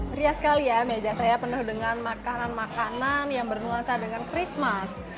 meriah sekali ya meja saya penuh dengan makanan makanan yang bernuansa dengan christmas